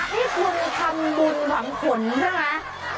แหมคุณจะนักให้คุณทำบุญหวังผลใช่ไหม